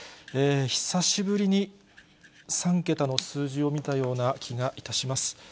久しぶりに３桁の数字を見たような気がします。